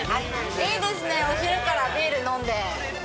いいですね、お昼からビール飲んで。